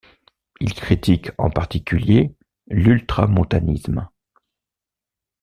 Il critique en particulier l'ultramontanisme.